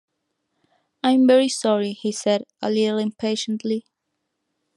"I'm very sorry," he said, a little impatiently.